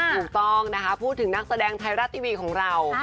ถูกต้องนะคะพูดถึงนักแสดงไทยรัฐทีวีของเรา